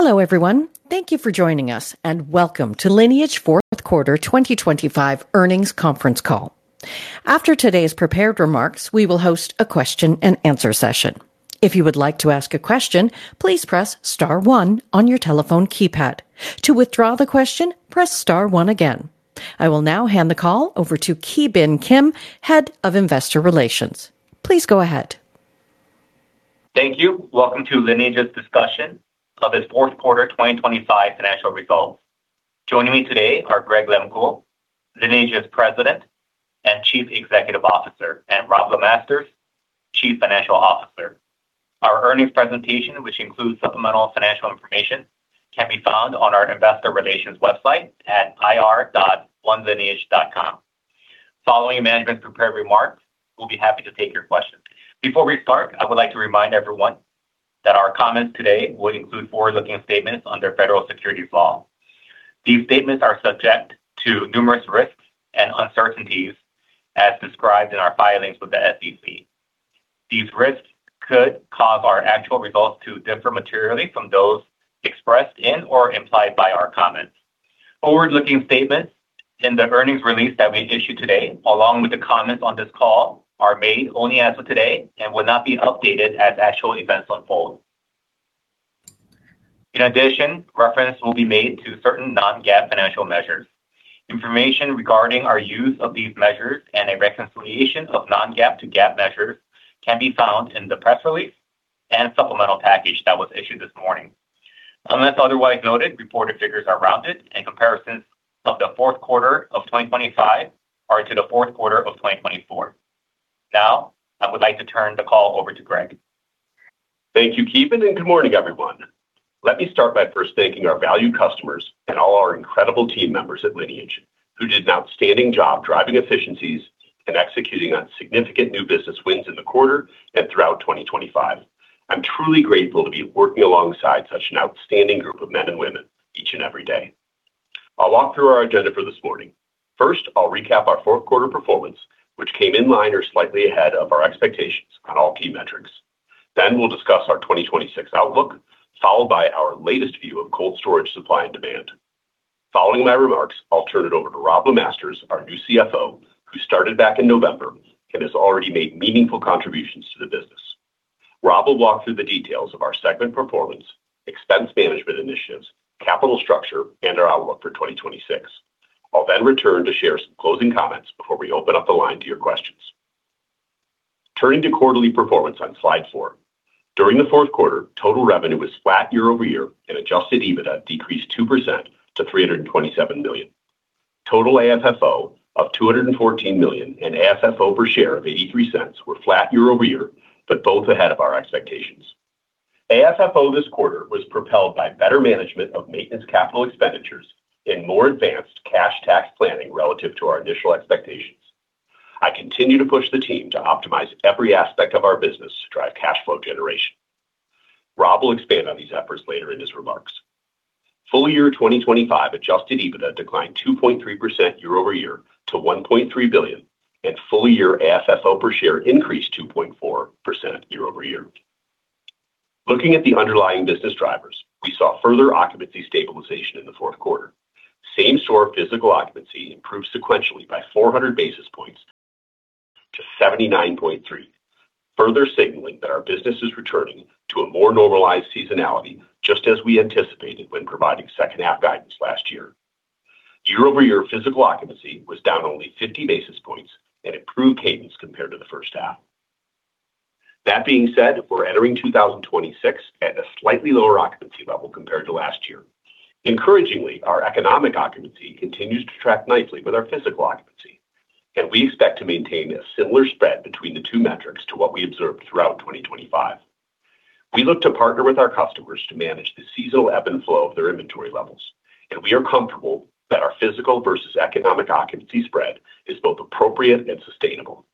Hello, everyone. Thank you for joining us, and welcome to Lineage fourth quarter 2025 earnings conference call. After today's prepared remarks, we will host a question and answer session. If you would like to ask a question, please press star one on your telephone keypad. To withdraw the question, press star one again. I will now hand the call over to Ki Bin Kim, Head of Investor Relations. Please go ahead. Thank you. Welcome to Lineage's discussion of its fourth quarter 2025 financial results. Joining me today are Greg Lehmkuhl, Lineage's President and Chief Executive Officer, and Robb LeMasters, Chief Financial Officer. Our earnings presentation, which includes supplemental financial information, can be found on our investor relations website at ir.onelineage.com. Following management prepared remarks, we'll be happy to take your questions. Before we start, I would like to remind everyone that our comments today will include forward-looking statements under federal securities law. These statements are subject to numerous risks and uncertainties as described in our filings with the SEC. These risks could cause our actual results to differ materially from those expressed in or implied by our comments. Forward-looking statements in the earnings release that we issued today, along with the comments on this call, are made only as of today and will not be updated as actual events unfold. In addition, reference will be made to certain non-GAAP financial measures. Information regarding our use of these measures and a reconciliation of non-GAAP to GAAP measures can be found in the press release and supplemental package that was issued this morning. Unless otherwise noted, reported figures are rounded, and comparisons of the fourth quarter of 2025 are to the fourth quarter of 2024. Now, I would like to turn the call over to Greg. Thank you, Ki Bin, and good morning, everyone. Let me start by first thanking our valued customers and all our incredible team members at Lineage, who did an outstanding job driving efficiencies and executing on significant new business wins in the quarter and throughout 2025. I'm truly grateful to be working alongside such an outstanding group of men and women each and every day. I'll walk through our agenda for this morning. First, I'll recap our fourth quarter performance, which came in line or slightly ahead of our expectations on all key metrics. We'll discuss our 2026 outlook, followed by our latest view of cold storage, supply, and demand. Following my remarks, I'll turn it over to Robb LeMasters, our new CFO, who started back in November and has already made meaningful contributions to the business. Robb will walk through the details of our segment performance, expense management initiatives, capital structure, and our outlook for 2026. I'll return to share some closing comments before we open up the line to your questions. Turning to quarterly performance on slide 4. During the fourth quarter, total revenue was flat year-over-year, and adjusted EBITDA decreased 2% to $327 million. Total AFFO of $214 million and AFFO per share of $0.83 were flat year-over-year, but both ahead of our expectations. AFFO this quarter was propelled by better management of maintenance, capital expenditures, and more advanced cash tax planning relative to our initial expectations. I continue to push the team to optimize every aspect of our business to drive cash flow generation. Robb will expand on these efforts later in his remarks. Full year 2025 adjusted EBITDA declined 2.3% year-over-year to $1.3 billion, and full year AFFO per share increased 2.4% year-over-year. Looking at the underlying business drivers, we saw further occupancy stabilization in the 4th quarter. Same-store physical occupancy improved sequentially by 400 basis points to 79.3, further signaling that our business is returning to a more normalized seasonality, just as we anticipated when providing 2nd half guidance last year. Year-over-year physical occupancy was down only 50 basis points and improved cadence compared to the 1st half. That being said, we're entering 2026 at a slightly lower occupancy level compared to last year. Encouragingly, our economic occupancy continues to track nicely with our physical occupancy. We expect to maintain a similar spread between the two metrics to what we observed throughout 2025. We look to partner with our customers to manage the seasonal ebb and flow of their inventory levels. We are comfortable that our physical versus economic occupancy spread is both appropriate and sustainable.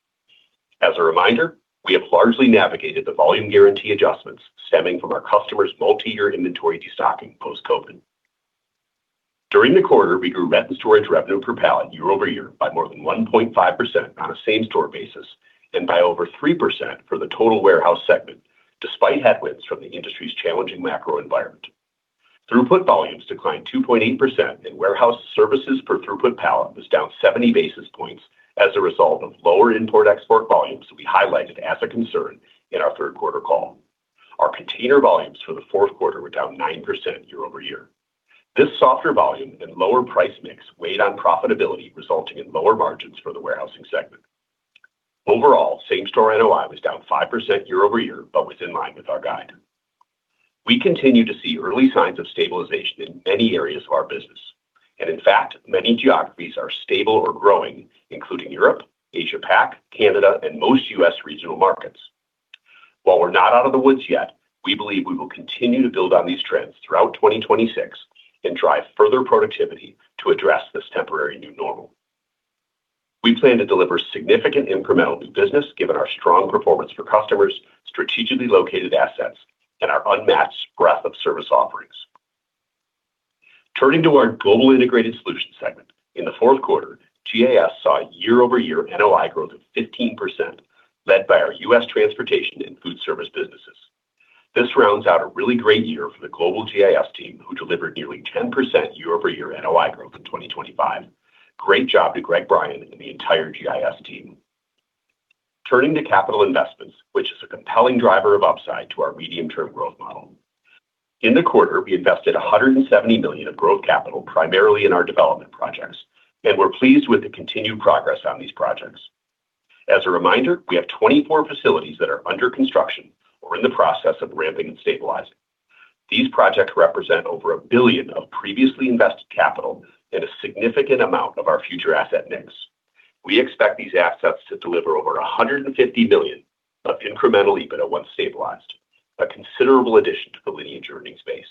As a reminder, we have largely navigated the volume guarantee adjustments stemming from our customers' multi-year inventory destocking post-COVID. During the quarter, we grew rent and storage revenue per pallet year-over-year by more than 1.5% on a same-store basis and by over 3% for the total warehouse segment, despite headwinds from the industry's challenging macro environment. Throughput volumes declined 2.8%. Warehouse services per throughput pallet was down 70 basis points as a result of lower import/export volumes that we highlighted as a concern in our third quarter call. Our container volumes for the fourth quarter were down 9% year-over-year. This softer volume and lower price mix weighed on profitability, resulting in lower margins for the warehousing segment. Overall, same-store NOI was down 5% year-over-year, but was in line with our guide. We continue to see early signs of stabilization in many areas of our business, and in fact, many geographies are stable or growing, including Europe, Asia Pac, Canada, and most U.S. regional markets. While we're not out of the woods yet, we believe we will continue to build on these trends throughout 2026 and drive further productivity to address this temporary new normal. We plan to deliver significant incremental new business, given our strong performance for customers, strategically located assets, and our unmatched breadth of service offerings. Turning to our Global Integrated Solutions segment. In the fourth quarter, GIS saw a year-over-year NOI growth of 15%, led by our U.S. transportation and food service businesses. This rounds out a really great year for the global GIS team, who delivered nearly 10% year-over-year NOI growth in 2025. Great job to Greg Bryan and the entire GIS team. Turning to capital investments, which is a compelling driver of upside to our medium-term growth model. In the quarter, we invested $170 million of growth capital, primarily in our development projects, we're pleased with the continued progress on these projects. As a reminder, we have 24 facilities that are under construction or in the process of ramping and stabilizing. These projects represent over $1 billion of previously invested capital and a significant amount of our future asset mix. We expect these assets to deliver over $150 million of incremental EBITDA once stabilized, a considerable addition to the Lineage earnings base.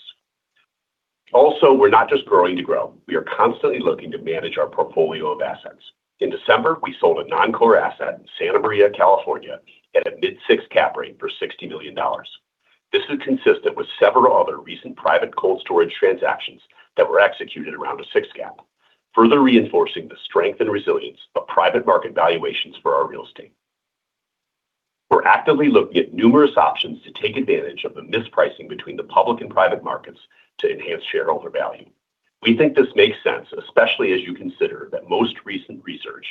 We're not just growing to grow. We are constantly looking to manage our portfolio of assets. In December, we sold a non-core asset in Santa Maria, California, at a mid 6 cap rate for $60 million. This is consistent with several other recent private cold storage transactions that were executed around a 6 cap, further reinforcing the strength and resilience of private market valuations for our real estate. We're actively looking at numerous options to take advantage of the mispricing between the public and private markets to enhance shareholder value. We think this makes sense, especially as you consider that most recent research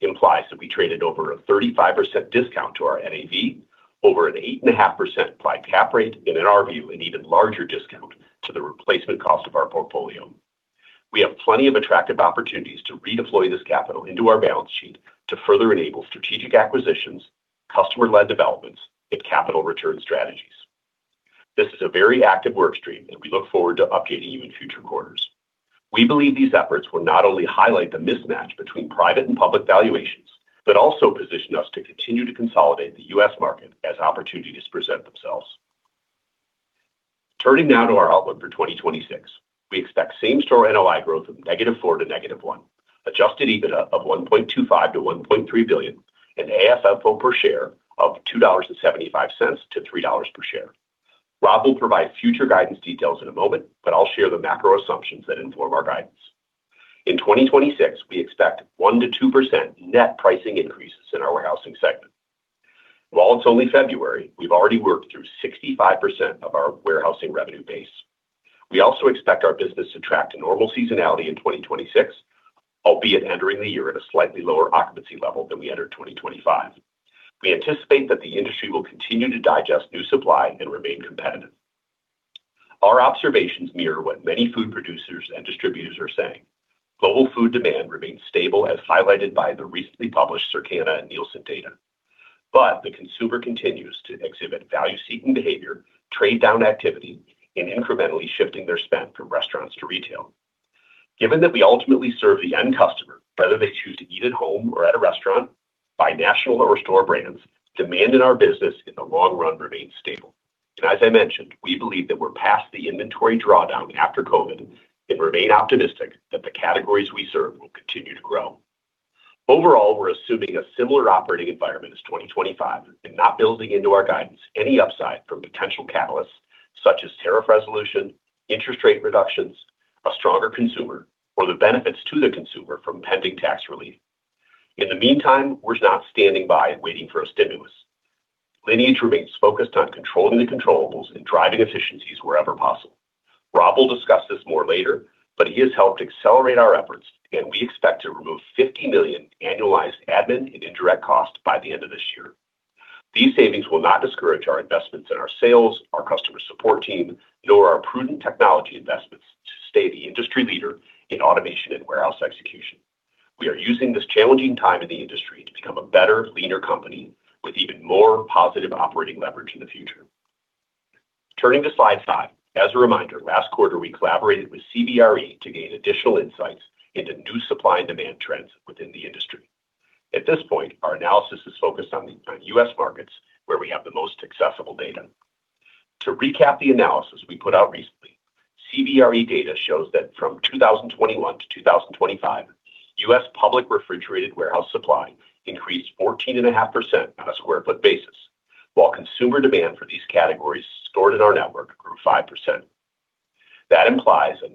implies that we traded over a 35% discount to our NAV over an 8.5% applied cap rate, and in our view, an even larger discount to the replacement cost of our portfolio. We have plenty of attractive opportunities to redeploy this capital into our balance sheet to further enable strategic acquisitions, customer-led developments, and capital return strategies. This is a very active work stream, and we look forward to updating you in future quarters. We believe these efforts will not only highlight the mismatch between private and public valuations, but also position us to continue to consolidate the U.S. market as opportunities present themselves. Turning now to our outlook for 2026. We expect same-store NOI growth of -4% to -1%, adjusted EBITDA of $1.25 billion-$1.3 billion, and AFFO per share of $2.75-$3.00 per share. Rob will provide future guidance details in a moment, but I'll share the macro assumptions that inform our guidance. In 2026, we expect 1%-2% net pricing increases in our warehousing segment. While it's only February, we've already worked through 65% of our warehousing revenue base. We also expect our business to track to normal seasonality in 2026, albeit entering the year at a slightly lower occupancy level than we entered 2025. We anticipate that the industry will continue to digest new supply and remain competitive. Our observations mirror what many food producers and distributors are saying. Global food demand remains stable as highlighted by the recently published Circana and Nielsen data. The consumer continues to exhibit value-seeking behavior, trade down activity, and incrementally shifting their spend from restaurants to retail. Given that we ultimately serve the end customer, whether they choose to eat at home or at a restaurant, by national or store brands, demand in our business in the long run remains stable. As I mentioned, we believe that we're past the inventory drawdown after COVID and remain optimistic that the categories we serve will continue to grow. Overall, we're assuming a similar operating environment as 2025 and not building into our guidance any upside from potential catalysts such as tariff resolution, interest rate reductions, a stronger consumer, or the benefits to the consumer from pending tax relief. In the meantime, we're not standing by and waiting for a stimulus. Lineage remains focused on controlling the controllables and driving efficiencies wherever possible. Rob will discuss this more later, but he has helped accelerate our efforts, and we expect to remove $50 million annualized admin and indirect costs by the end of this year. These savings will not discourage our investments in our sales, our customer support team, nor our prudent technology investments to stay the industry leader in automation and warehouse execution. We are using this challenging time in the industry to become a better, leaner company with even more positive operating leverage in the future. Turning to slide 5. As a reminder, last quarter, we collaborated with CBRE to gain additional insights into new supply and demand trends within the industry. At this point, our analysis is focused on US markets where we have the most accessible data. To recap the analysis we put out recently, CBRE data shows that from 2021 to 2025, U.S. public refrigerated warehouse supply increased 14.5% on a sq ft basis, while consumer demand for these categories stored in our network grew 5%. That implies a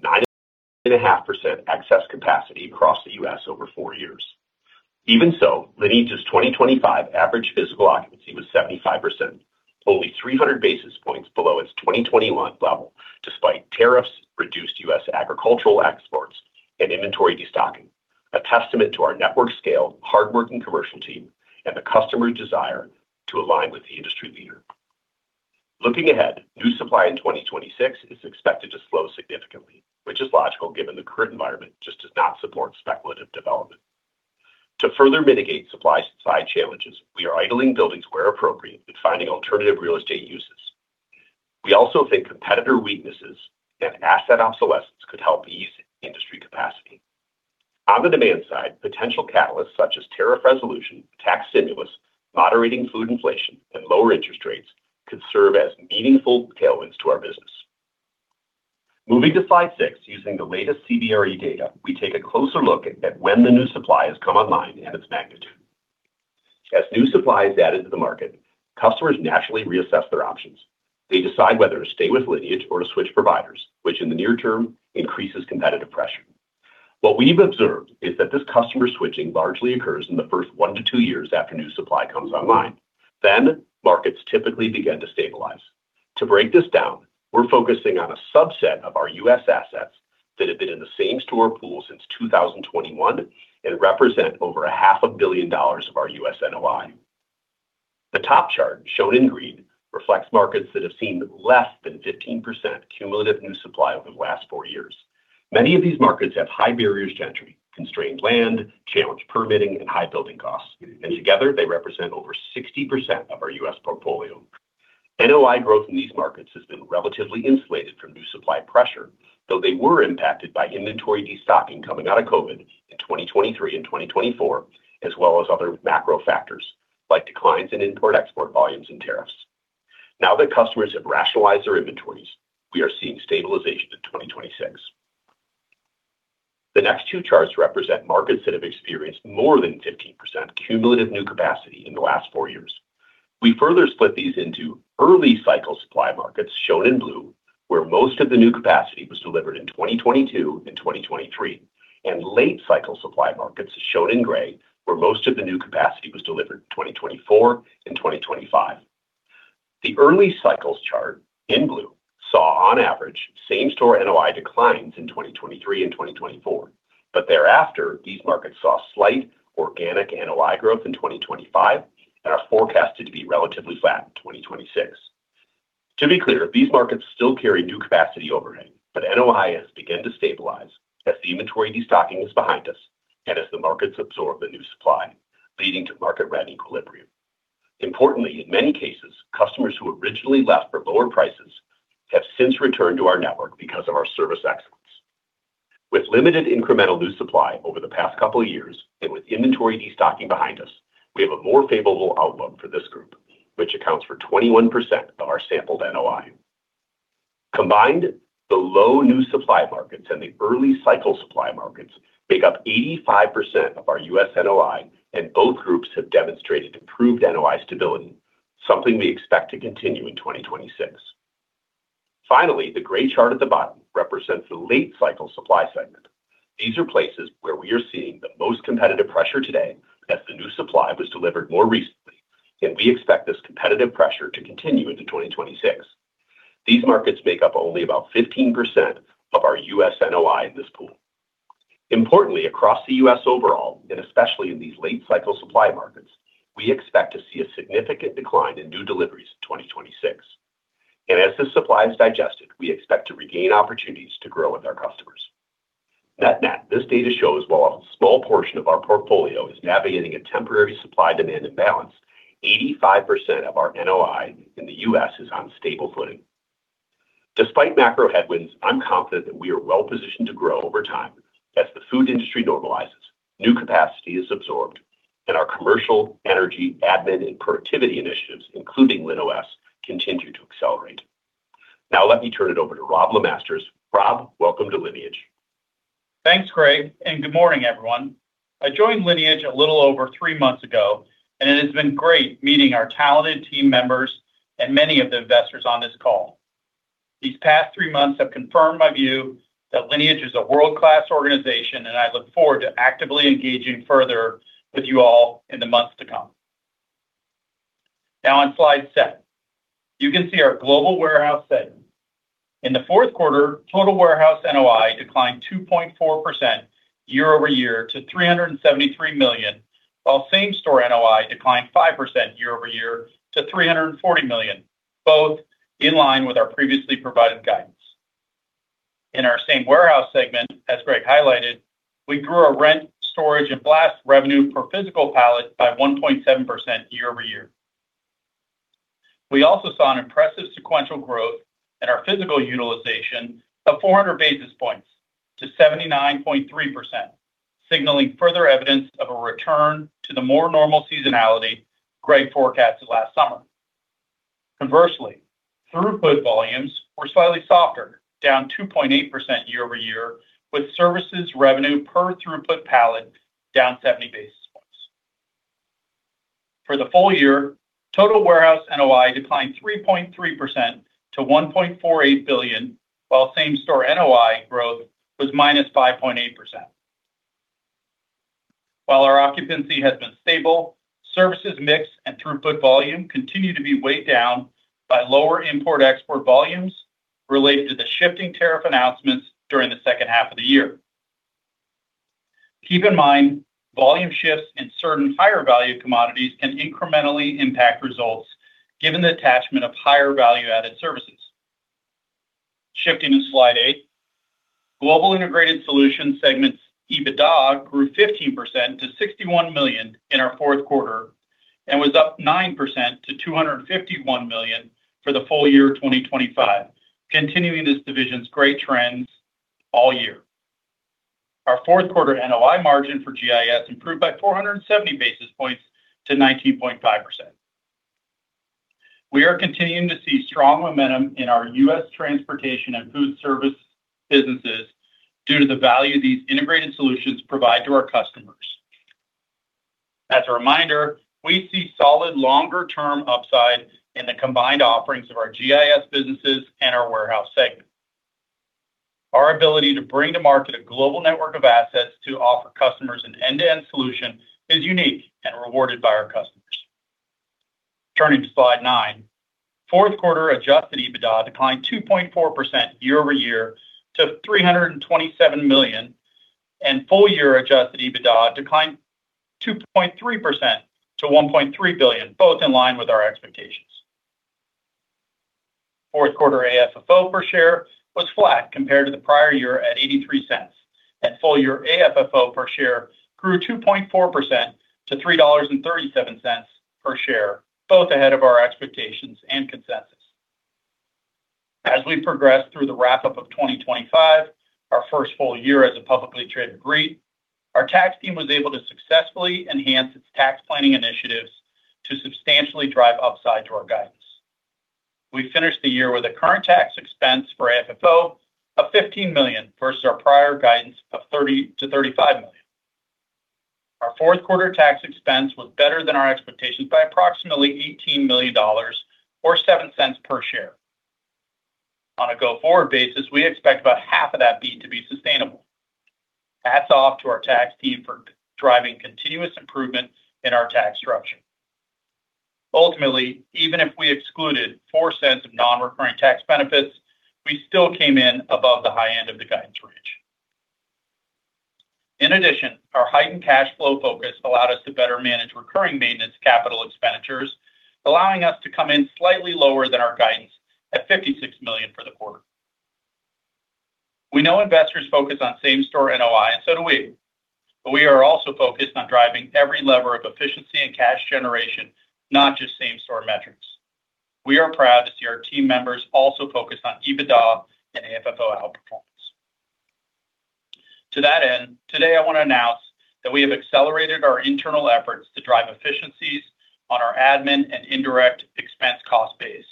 9.5% excess capacity across the U.S. over 4 years. Even so, Lineage's 2025 average physical occupancy was 75%, only 300 basis points below its 2021 level, despite tariffs, reduced U.S. agricultural exports, and inventory destocking. A testament to our network scale, hardworking commercial team, and the customer's desire to align with the industry leader. Looking ahead, new supply in 2026 is expected to slow significantly, which is logical, given the current environment just does not support speculative development. To further mitigate supply side challenges, we are idling buildings where appropriate and finding alternative real estate uses. We also think competitor weaknesses and asset obsolescence could help ease industry capacity. On the demand side, potential catalysts such as tariff resolution, tax stimulus, moderating food inflation, and lower interest rates could serve as meaningful tailwinds to our business. Moving to slide six, using the latest CBRE data, we take a closer look at when the new supply has come online and its magnitude. As new supply is added to the market, customers naturally reassess their options. They decide whether to stay with Lineage or to switch providers, which in the near term, increases competitive pressure. What we've observed is that this customer switching largely occurs in the first one to two years after new supply comes online. Markets typically begin to stabilize. To break this down, we're focusing on a subset of our U.S. assets that have been in the same store pool since 2021 and represent over a half a billion dollars of our U.S. NOI. The top chart, shown in green, reflects markets that have seen less than 15% cumulative new supply over the last four years. Many of these markets have high barriers to entry, constrained land, challenged permitting, and high building costs, and together they represent over 60% of our U.S. portfolio. NOI growth in these markets has been relatively insulated from new supply pressure, though they were impacted by inventory destocking coming out of COVID in 2023 and 2024, as well as other macro factors like declines in import/export volumes and tariffs. Now that customers have rationalized their inventories, we are seeing stabilization in 2026. The next 2 charts represent markets that have experienced more than 15% cumulative new capacity in the last 4 years. We further split these into early cycle supply markets, shown in blue, where most of the new capacity was delivered in 2022 and 2023, and late cycle supply markets, shown in gray, where most of the new capacity was delivered in 2024 and 2025. The early cycles chart in blue saw, on average, same-store NOI declines in 2023 and 2024. Thereafter, these markets saw slight organic NOI growth in 2025 and are forecasted to be relatively flat in 2026. To be clear, these markets still carry new capacity overhang. NOI has begun to stabilize as the inventory destocking is behind us and as the markets absorb the new supply, leading to market rent equilibrium. Importantly, in many cases, customers who originally left for lower prices have since returned to our network because of our service excellence. With limited incremental new supply over the past couple of years and with inventory destocking behind us, we have a more favorable outlook for this group, which accounts for 21% of our sampled NOI. Combined, the low new supply markets and the early cycle supply markets make up 85% of our US NOI, and both groups have demonstrated improved NOI stability, something we expect to continue in 2026. The gray chart at the bottom represents the late cycle supply segment. These are places where we are seeing the most competitive pressure today, as the new supply was delivered more recently, and we expect this competitive pressure to continue into 2026. These markets make up only about 15% of our U.S. NOI in this pool. Importantly, across the U.S. overall, and especially in these late cycle supply markets, we expect to see a significant decline in new deliveries in 2026. As this supply is digested, we expect to regain opportunities to grow with our customers. Net-net, this data shows while a small portion of our portfolio is navigating a temporary supply-demand imbalance, 85% of our NOI in the U.S. is on stable footing. Despite macro headwinds, I'm confident that we are well-positioned to grow over time as the food industry normalizes, new capacity is absorbed, and our commercial, energy, admin, and productivity initiatives, including LINOF, continue to accelerate. Now, let me turn it over to Robb LeMasters. Robb, welcome to Lineage. Thanks, Greg, and good morning, everyone. I joined Lineage a little over three months ago, and it has been great meeting our talented team members and many of the investors on this call. These past three months have confirmed my view that Lineage is a world-class organization, and I look forward to actively engaging further with you all in the months to come. Now, on slide 7, you can see our global warehouse segment. In the fourth quarter, total warehouse NOI declined 2.4% year-over-year to $373 million, while same-store NOI declined 5% year-over-year to $340 million, both in line with our previously provided guidance. In our same warehouse segment, as Greg highlighted, we grew our rent, storage, and blast revenue per physical pallet by 1.7% year-over-year. We also saw an impressive sequential growth in our physical utilization of 400 basis points to 79.3%, signaling further evidence of a return to the more normal seasonality Greg forecasted last summer. Throughput volumes were slightly softer, down 2.8% year-over-year, with services revenue per throughput pallet down 70 basis points. For the full year, total warehouse NOI declined 3.3% to $1.48 billion, while same-store NOI growth was -5.8%. Our occupancy has been stable, services mix and throughput volume continue to be weighed down by lower import/export volumes related to the shifting tariff announcements during the second half of the year. Keep in mind, volume shifts in certain higher value commodities can incrementally impact results given the attachment of higher value-added services. Shifting to slide 8. Global Integrated Solutions segment's EBITDA grew 15% to $61 million in our fourth quarter and was up 9% to $251 million for the full year 2025, continuing this division's great trends all year. Our fourth quarter NOI margin for GIS improved by 470 basis points to 19.5%. We are continuing to see strong momentum in our U.S. transportation and food service businesses due to the value these integrated solutions provide to our customers. As a reminder, we see solid, longer term upside in the combined offerings of our GIS businesses and our warehouse segment. Our ability to bring to market a global network of assets to offer customers an end-to-end solution is unique and rewarded by our customers. Turning to slide 9. Fourth quarter adjusted EBITDA declined 2.4% year-over-year to $327 million, and full year adjusted EBITDA declined 2.3% to $1.3 billion, both in line with our expectations. Fourth quarter AFFO per share was flat compared to the prior year at $0.83, and full year AFFO per share grew 2.4% to $3.37 per share, both ahead of our expectations and consensus. As we progress through the wrap-up of 2025, our first full year as a publicly traded REIT, our tax team was able to successfully enhance its tax planning initiatives to substantially drive upside to our guidance. We finished the year with a current tax expense for AFFO of $15 million, versus our prior guidance of $30 million-$35 million. Our fourth quarter tax expense was better than our expectations by approximately $18 million or $0.07 per share. On a go-forward basis, we expect about half of that beat to be sustainable. Hats off to our tax team for driving continuous improvement in our tax structure. Ultimately, even if we excluded $0.04 of non-recurring tax benefits, we still came in above the high end of the guidance range. Our heightened cash flow focus allowed us to better manage recurring maintenance capital expenditures, allowing us to come in slightly lower than our guidance at $56 million for the quarter. We know investors focus on same-store NOI, and so do we, but we are also focused on driving every lever of efficiency and cash generation, not just same-store metrics. We are proud to see our team members also focused on EBITDA and AFFO outperformance. To that end, today, I want to announce that we have accelerated our internal efforts to drive efficiencies on our admin and indirect expense cost base.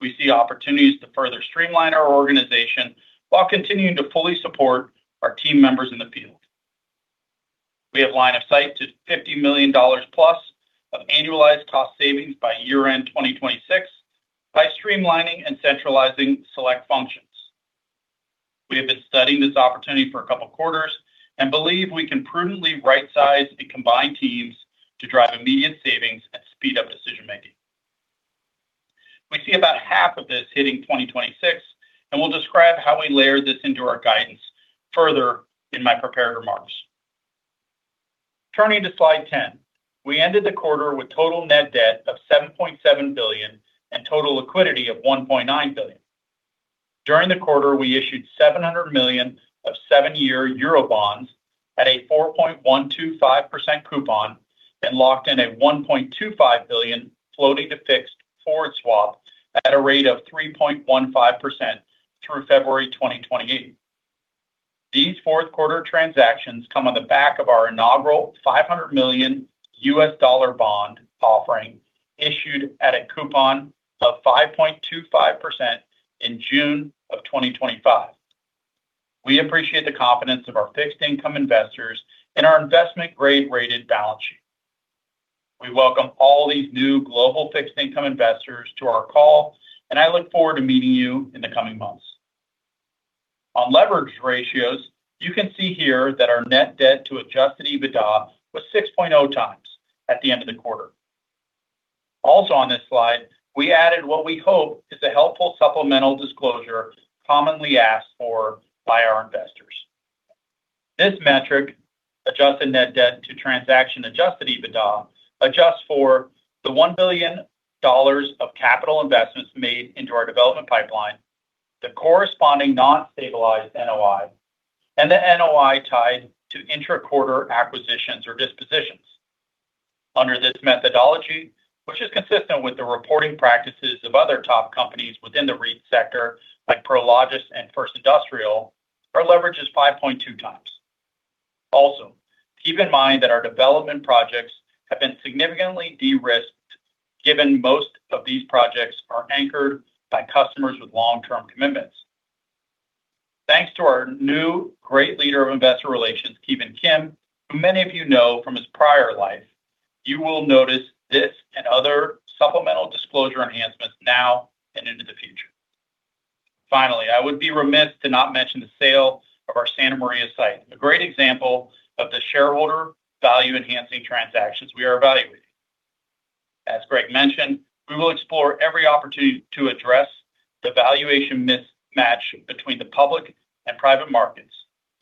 We see opportunities to further streamline our organization while continuing to fully support our team members in the field. We have line of sight to $50 million+ of annualized cost savings by year-end 2026 by streamlining and centralizing select functions. We have been studying this opportunity for a couple of quarters and believe we can prudently rightsize and combine teams to drive immediate savings and speed up decision making. We see about half of this hitting 2026, and we'll describe how we layered this into our guidance further in my prepared remarks. Turning to slide 10. We ended the quarter with total net debt of $7.7 billion and total liquidity of $1.9 billion. During the quarter, we issued 700 million of seven-year bonds at a 4.125% coupon and locked in a $1.25 billion floating to fixed forward swap at a rate of 3.15% through February 2028. These fourth quarter transactions come on the back of our inaugural $500 million U.S. dollar bond offering, issued at a coupon of 5.25% in June of 2025. We appreciate the confidence of our fixed income investors and our investment grade-rated balance sheet. We welcome all these new global fixed income investors to our call, I look forward to meeting you in the coming months. On leverage ratios, you can see here that our net debt to adjusted EBITDA was 6.0 times at the end of the quarter. On this slide, we added what we hope is a helpful supplemental disclosure, commonly asked for by our investors. This metric, adjusted net debt to transaction adjusted EBITDA, adjusts for the $1 billion of capital investments made into our development pipeline, the corresponding non-stabilized NOI, and the NOI tied to intra-quarter acquisitions or dispositions. Under this methodology, which is consistent with the reporting practices of other top companies within the REIT sector, like Prologis and First Industrial, our leverage is 5.2 times. Keep in mind that our development projects have been significantly de-risked, given most of these projects are anchored by customers with long-term commitments. Thanks to our new great leader of investor relations, Kevin Kim, who many of you know from his prior life, you will notice this and other supplemental disclosure enhancements now and into the future. Finally, I would be remiss to not mention the sale of our Santa Maria site, a great example of the shareholder value-enhancing transactions we are evaluating. As Greg mentioned, we will explore every opportunity to address the valuation mismatch between the public and private markets,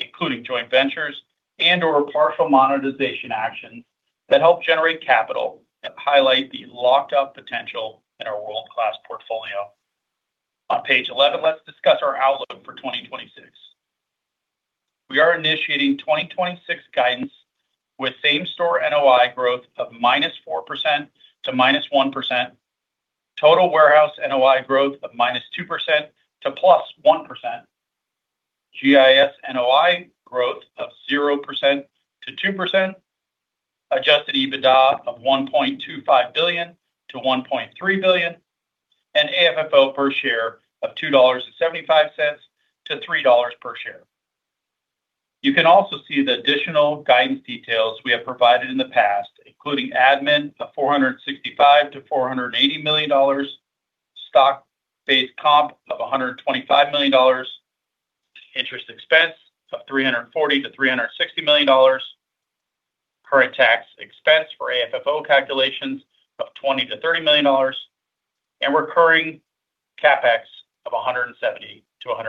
including joint ventures and/or partial monetization actions that help generate capital and highlight the locked-up potential in our world-class portfolio. On page 11, let's discuss our outlook for 2026. We are initiating 2026 guidance with same-store NOI growth of -4% to -1%. Total warehouse NOI growth of -2% to +1%. GIS-... % to 2%, adjusted EBITDA of $1.25 billion-$1.3 billion, and AFFO per share of $2.75 to $3 per share. You can also see the additional guidance details we have provided in the past, including admin of $465 million-$480 million, stock-based comp of $125 million, interest expense of $340 million-$360 million, current tax expense for AFFO calculations of $20 million-$30 million, and recurring CapEx of $170 million-$180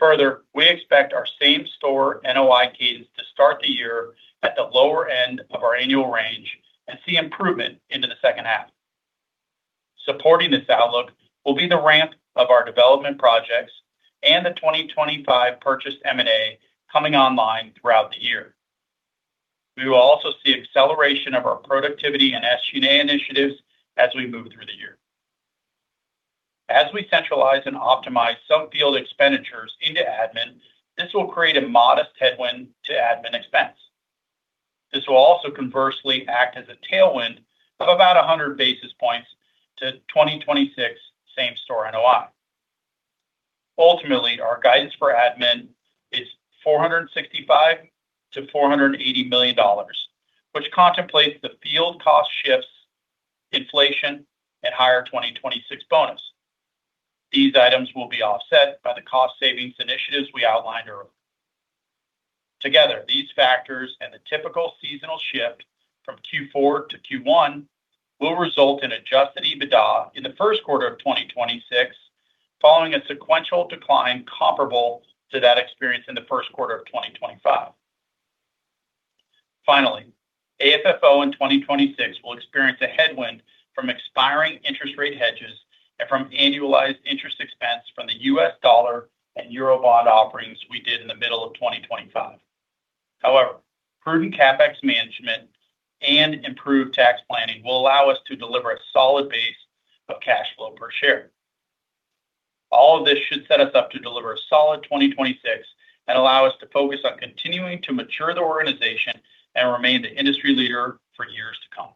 million. We expect our same-store NOI gains to start the year at the lower end of our annual range and see improvement into the second half. Supporting this outlook will be the ramp of our development projects and the 2025 purchase M&A coming online throughout the year. We will also see acceleration of our productivity and SG&A initiatives as we move through the year. As we centralize and optimize some field expenditures into admin, this will create a modest headwind to admin expense. This will also conversely act as a tailwind of about 100 basis points to 2026 same-store NOI. Ultimately, our guidance for admin is $465 million-$480 million, which contemplates the field cost shifts, inflation, and higher 2026 bonus. These items will be offset by the cost savings initiatives we outlined earlier. Together, these factors and the typical seasonal shift from Q4 to Q1 will result in adjusted EBITDA in the first quarter of 2026, following a sequential decline comparable to that experienced in the first quarter of 2025. Finally, AFFO in 2026 will experience a headwind from expiring interest rate hedges and from annualized interest expense from the US dollar and Eurobond offerings we did in the middle of 2025. However, prudent CapEx management and improved tax planning will allow us to deliver a solid base of cash flow per share. All of this should set us up to deliver a solid 2026 and allow us to focus on continuing to mature the organization and remain the industry leader for years to come.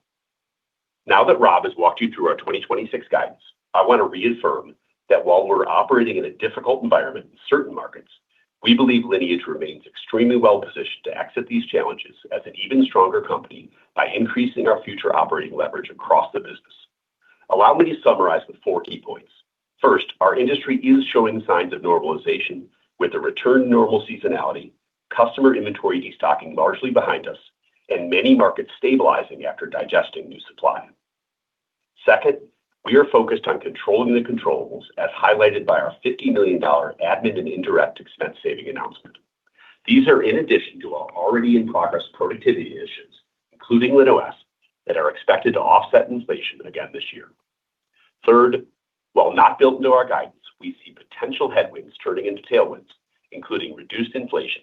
Now that Rob has walked you through our 2026 guidance, I want to reaffirm that while we're operating in a difficult environment in certain markets, we believe Lineage remains extremely well-positioned to exit these challenges as an even stronger company by increasing our future operating leverage across the business. Allow me to summarize the four key points. First, our industry is showing signs of normalization, with a return to normal seasonality, customer inventory destocking largely behind us, and many markets stabilizing after digesting new supply. Second, we are focused on controlling the controllables, as highlighted by our $50 million admin and indirect expense saving announcement. These are in addition to our already in progress productivity initiatives, including LinOS, that are expected to offset inflation again this year. Third, while not built into our guidance, we see potential headwinds turning into tailwinds, including reduced inflation,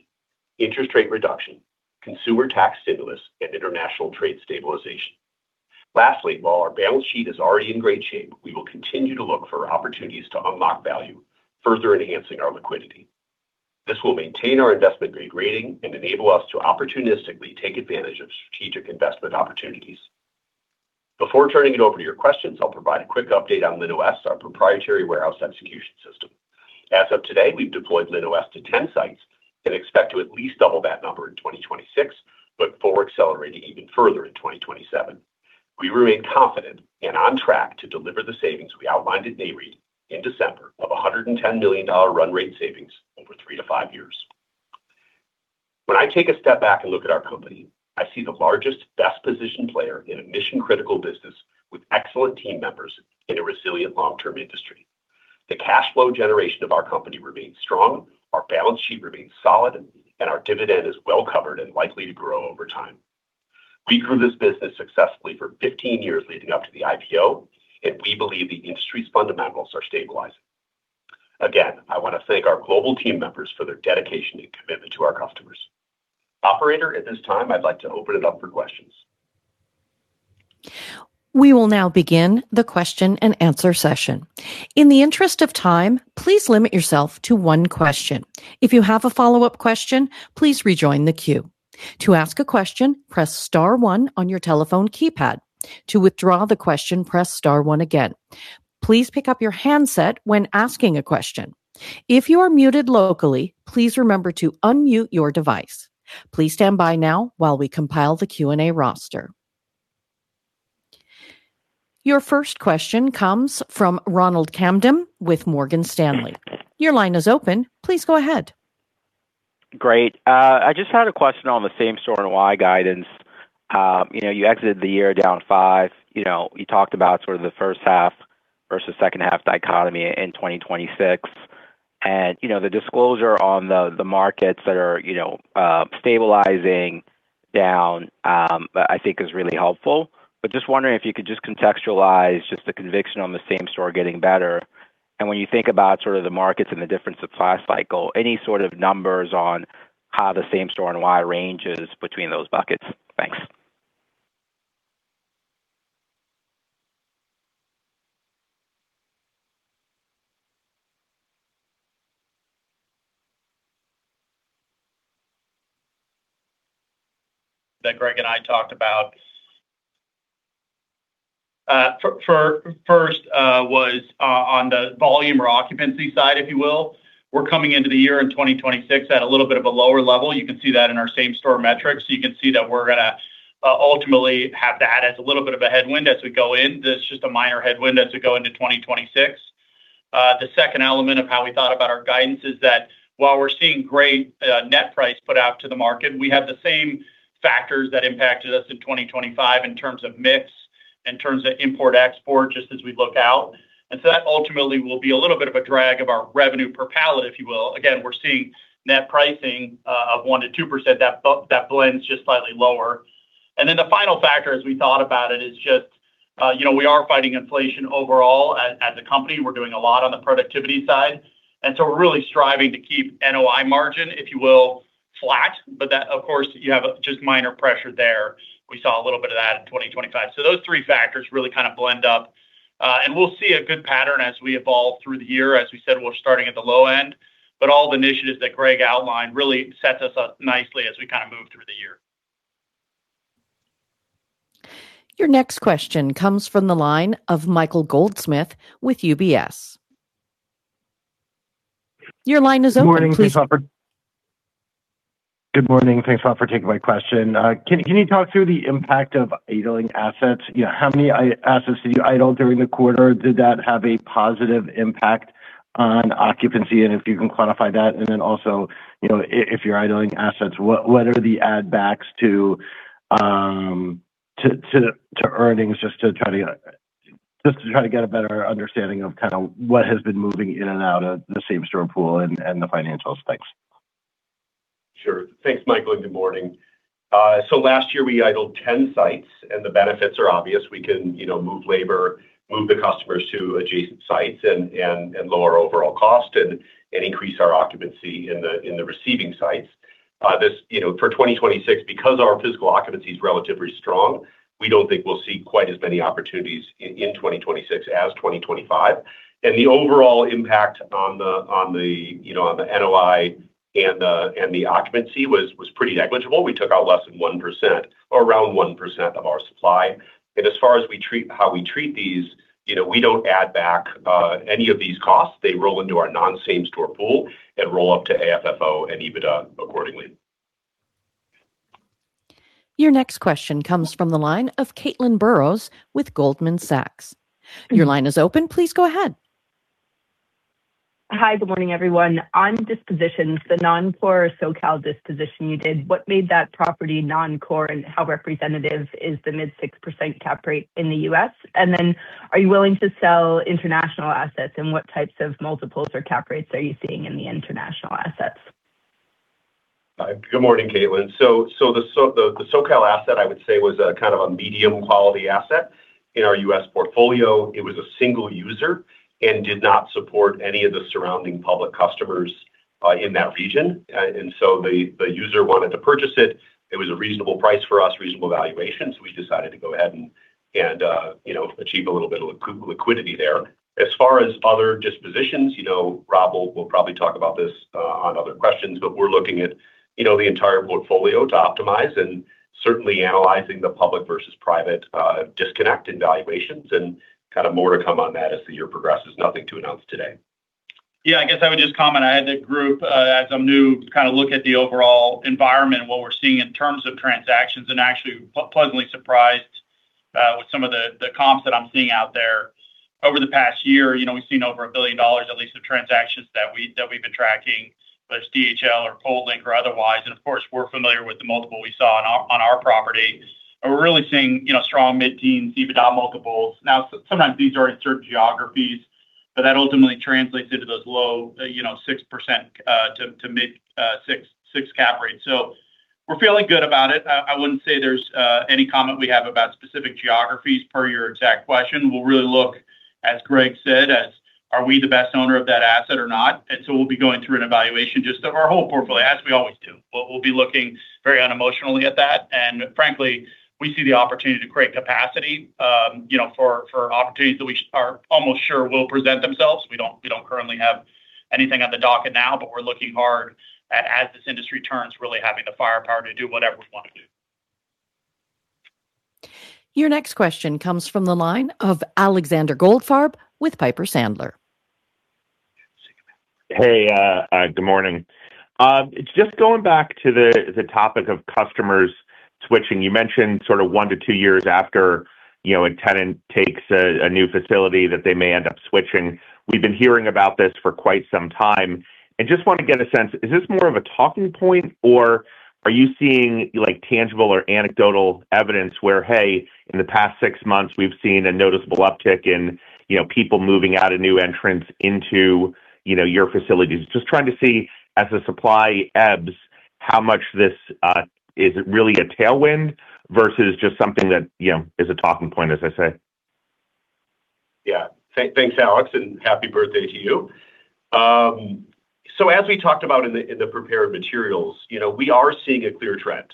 interest rate reduction, consumer tax stimulus, and international trade stabilization. Lastly, while our balance sheet is already in great shape, we will continue to look for opportunities to unlock value, further enhancing our liquidity. This will maintain our investment-grade rating and enable us to opportunistically take advantage of strategic investment opportunities. Before turning it over to your questions, I'll provide a quick update on LinOS, our proprietary warehouse execution system. As of today, we've deployed LinOS to 10 sites and expect to at least double that number in 2026, but before accelerating even further in 2027. We remain confident and on track to deliver the savings we outlined at Nareit in December of a $110 million run rate savings over 3-5 years. When I take a step back and look at our company, I see the largest, best-positioned player in a mission-critical business with excellent team members in a resilient long-term industry. The cash flow generation of our company remains strong, our balance sheet remains solid, and our dividend is well covered and likely to grow over time. We grew this business successfully for 15 years leading up to the IPO. We believe the industry's fundamentals are stabilizing. Again, I want to thank our global team members for their dedication and commitment to our customers. Operator, at this time, I'd like to open it up for questions. We will now begin the question and answer session. In the interest of time, please limit yourself to one question. If you have a follow-up question, please rejoin the queue. To ask a question, press star one on your telephone keypad. To withdraw the question, press star one again. Please pick up your handset when asking a question. If you are muted locally, please remember to unmute your device. Please stand by now while we compile the Q&A roster. Your first question comes from Ronald Kamdem with Morgan Stanley. Your line is open. Please go ahead. Great. I just had a question on the same-store NOI guidance. you know, you exited the year down 5. You know, you talked about sort of the first half versus second half dichotomy in 2026, and, you know, the disclosure on the markets that are, you know, stabilizing down, I think is really helpful. Just wondering if you could just contextualize just the conviction on the same store getting better, and when you think about sort of the markets and the different supply cycle, any sort of numbers on how the same store and NOI ranges between those buckets?... that Greg and I talked about. First was on the volume or occupancy side, if you will. We're coming into the year in 2026 at a little bit of a lower level. You can see that in our same-store metrics. You can see that we're gonna ultimately have that as a little bit of a headwind as we go in. This is just a minor headwind as we go into 2026. The second element of how we thought about our guidance is that while we're seeing great net price put out to the market, we have the same factors that impacted us in 2025 in terms of mix, in terms of import/export, just as we look out. That ultimately will be a little bit of a drag of our revenue per pallet, if you will. Again, we're seeing net pricing of 1%-2%. That blends just slightly lower. The final factor, as we thought about it, is just, you know, we are fighting inflation overall. As, as a company, we're doing a lot on the productivity side, and so we're really striving to keep NOI margin, if you will, flat. That, of course, you have just minor pressure there. We saw a little bit of that in 2025. Those three factors really kind of blend up, and we'll see a good pattern as we evolve through the year. As we said, we're starting at the low end, but all the initiatives that Greg outlined really sets us up nicely as we kind of move through the year. Your next question comes from the line of Michael Goldsmith with UBS. Your line is open. Good morning. Thanks, Rob. Good morning. Thanks for taking my question. Can you talk through the impact of idling assets? You know, how many assets did you idle during the quarter? Did that have a positive impact on occupancy, and if you can quantify that? Then also, you know, if you're idling assets, what are the add backs to earnings, just to try to get a better understanding of kind of what has been moving in and out of the same-store pool and the financial specs? Sure. Thanks, Michael, and good morning. Last year we idled 10 sites, and the benefits are obvious. We can, you know, move labor, move the customers to adjacent sites and lower overall cost and increase our occupancy in the receiving sites. This, you know, for 2026, because our physical occupancy is relatively strong, we don't think we'll see quite as many opportunities in 2026 as 2025. The overall impact on the, you know, on the NOI and the occupancy was pretty negligible. We took out less than 1%, or around 1% of our supply. As far as how we treat these, you know, we don't add back any of these costs. They roll into our non-same store pool and roll up to AFFO and EBITDA accordingly. Your next question comes from the line of Caitlin Burrows with Goldman Sachs. Your line is open. Please go ahead. Hi, good morning, everyone. On dispositions, the non-core SoCal disposition you did, what made that property non-core, and how representative is the mid 6% cap rate in the U.S.? Are you willing to sell international assets, and what types of multiples or cap rates are you seeing in the international assets? Hi. Good morning, Caitlin. The SoCal asset, I would say, was a kind of a medium-quality asset in our U.S. portfolio. It was a single user and did not support any of the surrounding public customers in that region. The user wanted to purchase it. It was a reasonable price for us, reasonable valuation, so we decided to go ahead and, you know, achieve a little bit of liquidity there. As far as other dispositions, you know, Rob will probably talk about this on other questions, but we're looking at, you know, the entire portfolio to optimize and certainly analyzing the public versus private disconnect in valuations and kind of more to come on that as the year progresses. Nothing to announce today. Yeah, I guess I would just comment, I had the group, as a new kind of look at the overall environment, what we're seeing in terms of transactions, and actually, pleasantly surprised, with some of the comps that I'm seeing out there. Over the past year, you know, we've seen over $1 billion, at least of transactions that we, that we've been tracking, whether it's DHL or Pull Link or otherwise. Of course, we're familiar with the multiple we saw on our, on our property. We're really seeing, you know, strong mid-teen EBITDA multiples. Now, sometimes these are in certain geographies, but that ultimately translates into those low, you know, 6%, to mid-6% cap rates. We're feeling good about it. I wouldn't say there's any comment we have about specific geographies per your exact question. We'll really look, as Greg said, as are we the best owner of that asset or not? We'll be going through an evaluation just of our whole portfolio, as we always do. We'll be looking very unemotionally at that, and frankly, we see the opportunity to create capacity, you know, for opportunities that we are almost sure will present themselves. We don't currently have anything on the docket now, but we're looking hard as this industry turns, really having the firepower to do whatever we want to do. Your next question comes from the line of Alexander Goldfarb with Piper Sandler. Hey, good morning. Just going back to the topic of customers switching. You mentioned sort of 1 to 2 years after, you know, a tenant takes a new facility that they may end up switching. We've been hearing about this for quite some time. Just want to get a sense, is this more of a talking point, or are you seeing, like, tangible or anecdotal evidence where, hey, in the past 6 months, we've seen a noticeable uptick in, you know, people moving out of new entrants into, you know, your facilities? Just trying to see, as the supply ebbs, how much this is it really a tailwind versus just something that, you know, is a talking point, as I say. Yeah. thanks, Alex, and happy birthday to you. as we talked about in the prepared materials, you know, we are seeing a clear trend.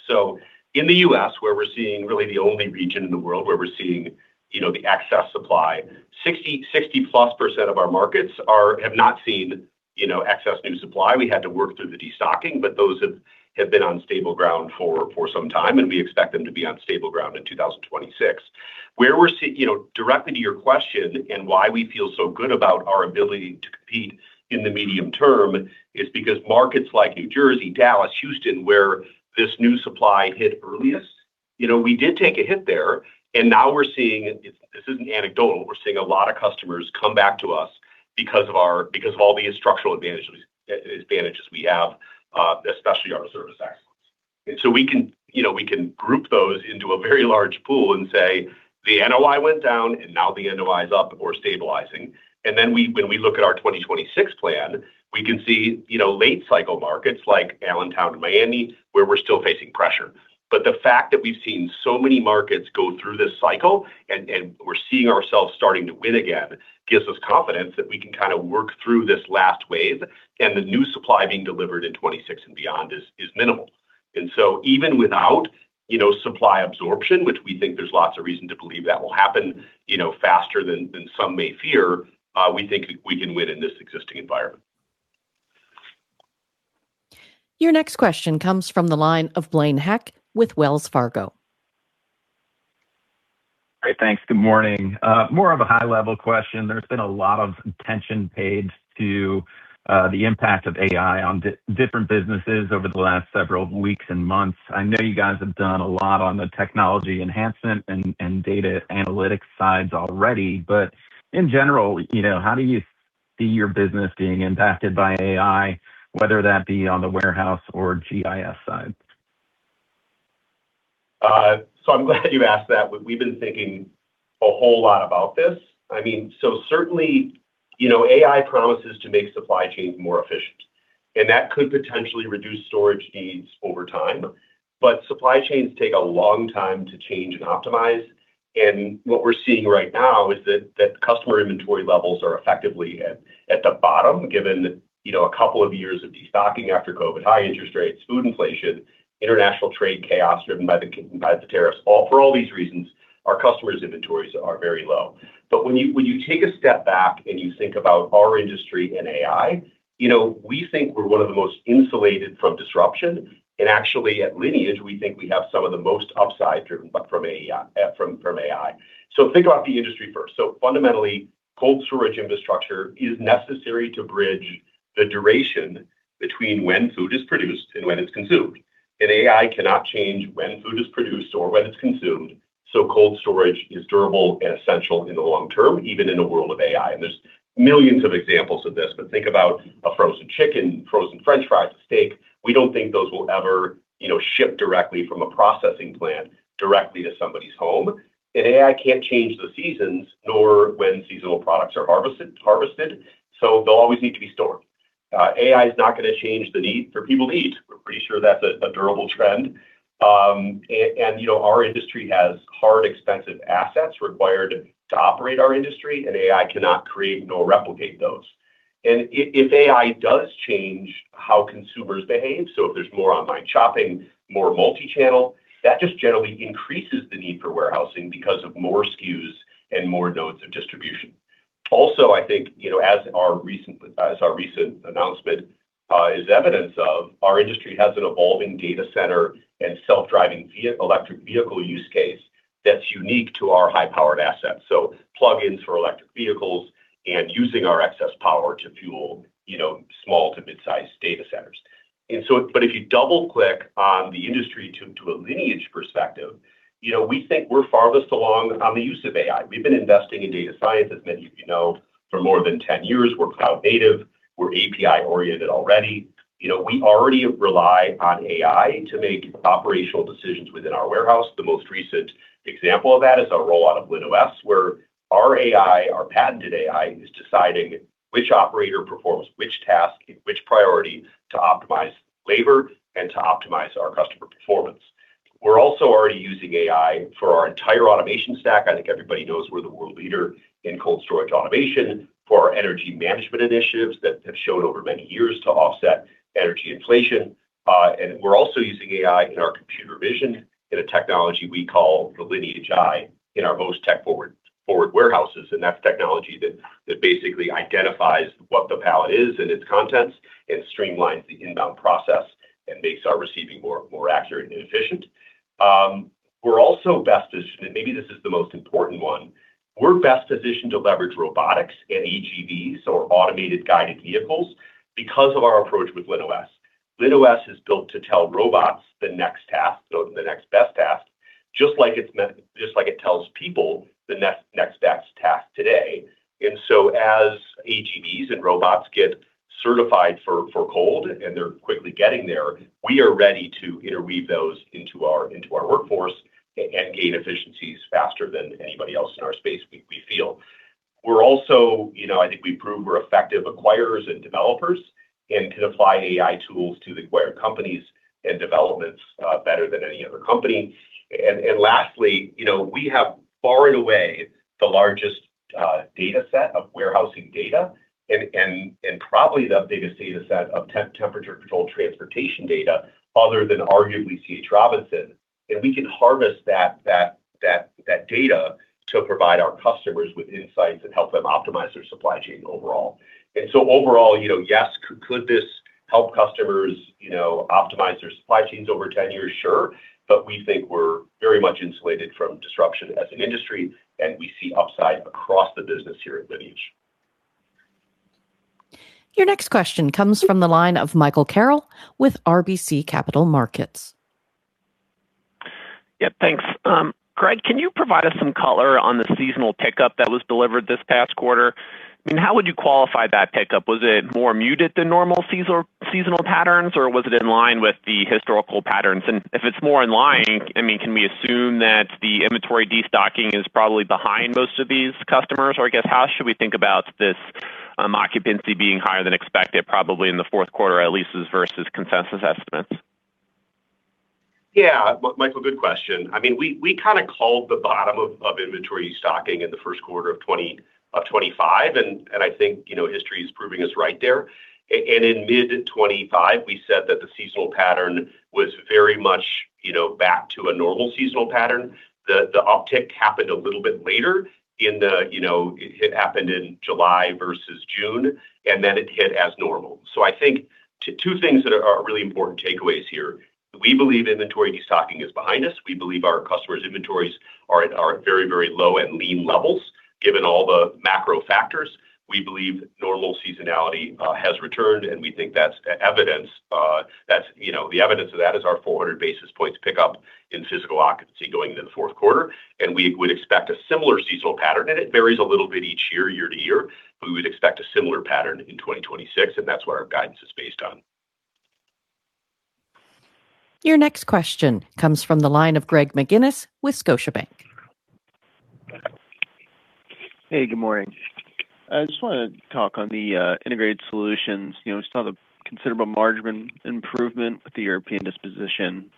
In the US, where we're seeing really the only region in the world where we're seeing, you know, the excess supply, 60-plus% of our markets have not seen, you know, excess new supply. We had to work through the destocking, but those have been on stable ground for some time, we expect them to be on stable ground in 2026. Where we're seeing, you know, directly to your question and why we feel so good about our ability to compete in the medium term is because markets like New Jersey, Dallas, Houston, where this new supply hit earliest, you know, we did take a hit there, and now we're seeing, this isn't anecdotal, we're seeing a lot of customers come back to us because of all the structural advantages we have, especially our service excellence. We can, you know, we can group those into a very large pool and say, the NOI went down, and now the NOI is up or stabilizing. When we look at our 2026 plan, we can see, you know, late cycle markets like Allentown and Miami, where we're still facing pressure. The fact that we've seen so many markets go through this cycle and we're seeing ourselves starting to win again, gives us confidence that we can kind of work through this last wave, and the new supply being delivered in 26 and beyond is minimal. Even without, you know, supply absorption, which we think there's lots of reason to believe that will happen, you know, faster than some may fear, we think we can win in this existing environment. Your next question comes from the line of Blaine Heck with Wells Fargo. Great, thanks. Good morning. More of a high-level question. There's been a lot of attention paid to the impact of AI on different businesses over the last several weeks and months. I know you guys have done a lot on the technology enhancement and data analytics sides already, but in general, you know, how do you see your business being impacted by AI, whether that be on the warehouse or GIS side? I'm glad you asked that. We've been thinking a whole lot about this. I mean, certainly, you know, AI promises to make supply chains more efficient, and that could potentially reduce storage needs over time. Supply chains take a long time to change and optimize, and what we're seeing right now is that customer inventory levels are effectively at the bottom, given, you know, a couple of years of destocking after COVID, high interest rates, food inflation, international trade chaos driven by the tariffs. For all these reasons, our customers' inventories are very low. When you take a step back and you think about our industry and AI, you know, we think we're one of the most insulated from disruption, and actually at Lineage, we think we have some of the most upside driven by AI. Think about the industry first. Fundamentally, cold storage infrastructure is necessary to bridge the duration between when food is produced and when it's consumed. AI cannot change when food is produced or when it's consumed, so cold storage is durable and essential in the long term, even in a world of AI. There's millions of examples of this, but think about a frozen chicken, frozen French fries, a steak. We don't think those will ever, you know, ship directly from a processing plant directly to somebody's home. AI can't change the seasons nor when seasonal products are harvested, so they'll always need to be stored. AI is not going to change the need for people to eat. We're pretty sure that's a durable trend. You know, our industry has hard, expensive assets required to operate our industry, and AI cannot create nor replicate those. If AI does change how consumers behave, so if there's more online shopping, more multi-channel, that just generally increases the need for warehousing because of more SKUs and more nodes of distribution. I think, you know, as our recent announcement is evidence of, our industry has an evolving data center and self-driving electric vehicle use case that's unique to our high-powered assets. Plug-ins for electric vehicles and using our excess power to fuel, you know, small to mid-size data centers. But if you double-click on the industry to a Lineage perspective, you know, we think we're farthest along on the use of AI. We've been investing in data science, as many of you know, for more than 10 years. We're cloud native, we're API-oriented already. We already rely on AI to make operational decisions within our warehouse. The most recent example of that is our rollout of LinOS, where our AI, our patented AI, is deciding which operator performs which task and which priority to optimize labor and to optimize our customer performance. We're also already using AI for our entire automation stack. I think everybody knows we're the world leader in cold storage automation for our energy management initiatives that have showed over many years to offset energy inflation. We're also using AI in our computer vision in a technology we call the Lineage Eye in our most tech forward warehouses, and that's technology that basically identifies what the pallet is and its contents and streamlines the inbound process and makes our receiving more accurate and efficient. We're also best positioned. Maybe this is the most important one. We're best positioned to leverage robotics and AGVs or automated guided vehicles because of our approach with LinOS. LinOS is built to tell robots the next task or the next best task, just like it tells people the next best task today. As AGVs and robots get certified for cold, and they're quickly getting there, we are ready to interweave those into our workforce and gain efficiencies faster than anybody else in our space, we feel. We're also, you know, I think we prove we're effective acquirers and developers and can apply AI tools to the acquired companies and developments better than any other company. Lastly, you know, we have far and away the largest data set of warehousing data and probably the biggest data set of temperature controlled transportation data other than arguably C.H. Robinson. We can harvest that data to provide our customers with insights and help them optimize their supply chain overall. Overall, you know, yes, could this help customers, you know, optimize their supply chains over 10 years? Sure. We think we're very much insulated from disruption as an industry, and we see upside across the business here at Lineage. Your next question comes from the line of Michael Carroll with RBC Capital Markets. Yeah, thanks. Greg, can you provide us some color on the seasonal pickup that was delivered this past quarter? I mean, how would you qualify that pickup? Was it more muted than normal seasonal patterns, or was it in line with the historical patterns? If it's more in line, I mean, can we assume that the inventory destocking is probably behind most of these customers? I guess, how should we think about this occupancy being higher than expected, probably in the fourth quarter at least, versus consensus estimates? Yeah, Michael, good question. I mean, we kind of called the bottom of inventory stocking in the first quarter of 2025, and I think, you know, history is proving us right there. In mid 2025, we said that the seasonal pattern was very much, you know, back to a normal seasonal pattern. The uptick happened a little bit later in the, you know, it happened in July versus June, and then it hit as normal. I think two things that are really important takeaways here: We believe inventory destocking is behind us. We believe our customers' inventories are at very, very low and lean levels, given all the macro factors. We believe normal seasonality has returned, and we think that's the evidence, You know, the evidence of that is our 400 basis points pickup in physical occupancy going into the fourth quarter, and we would expect a similar seasonal pattern. It varies a little bit each year to year, but we would expect a similar pattern in 2026, and that's what our guidance is based on. Your next question comes from the line of Greg McGinniss with Scotiabank. Hey, good morning. I just wanna talk on the Integrated Solutions. You know, we saw the considerable margin improvement with the European disposition.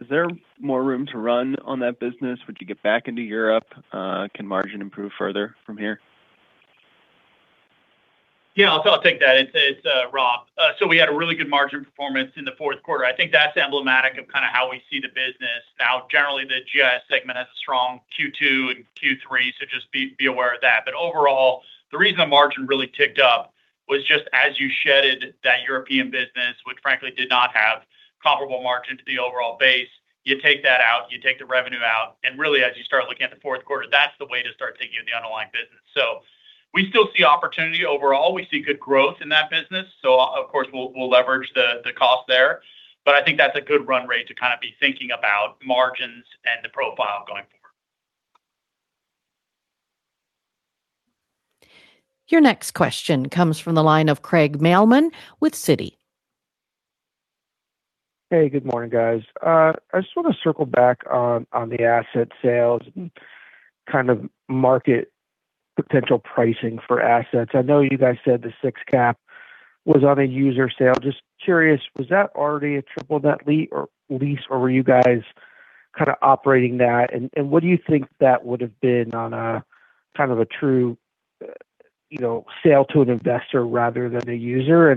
Is there more room to run on that business? Would you get back into Europe? Can margin improve further from here? Yeah, I'll take that. It's Robb. We had a really good margin performance in the fourth quarter. I think that's emblematic of kind of how we see the business. Now, generally, the GIS segment has a strong Q2 and Q3, so just be aware of that. Overall, the reason the margin really ticked up was just as you shedded that European business, which frankly did not have comparable margin to the overall base, you take that out, you take the revenue out, really, as you start looking at the fourth quarter, that's the way to start thinking of the underlying business. We still see opportunity overall. We see good growth in that business, of course, we'll leverage the cost there. I think that's a good run rate to kind of be thinking about margins and the profile going forward. Your next question comes from the line of Craig Mailman with Citi. Hey, good morning, guys. I just wanna circle back on the asset sales and kind of market potential pricing for assets. I know you guys said the 6 cap was on a user sale. Just curious, was that already a triple net lease, or were you guys kind of operating that? What do you think that would have been on a, kind of a true, you know, sale to an investor rather than a user?